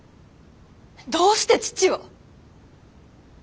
どうして父を。